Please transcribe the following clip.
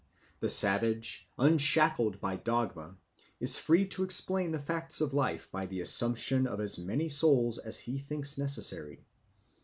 The savage, unshackled by dogma, is free to explain the facts of life by the assumption of as many souls as he thinks necessary.